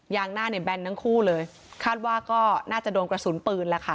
งหน้าเนี่ยแบนทั้งคู่เลยคาดว่าก็น่าจะโดนกระสุนปืนแล้วค่ะ